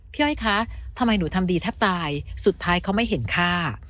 อ้อยคะทำไมหนูทำดีแทบตายสุดท้ายเขาไม่เห็นค่า